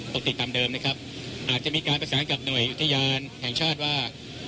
ติดตามเดิมนะครับอาจจะมีการประสานกับหน่วยอุทยานแห่งชาติว่า